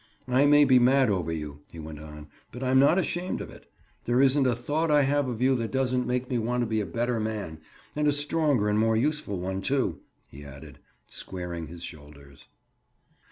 "I may be mad over you," he went on, "but I'm not ashamed of it. There isn't a thought I have of you that doesn't make me want to be a better man, and a stronger and more useful one, too," he added, squaring his shoulders.